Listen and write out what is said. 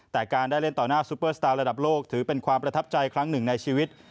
แต่การได้เล่นต่อหน้าซุปเปอร์สตาร์ระดับโลกถือเป็นความประทับใจครั้งหนึ่งในชีวิต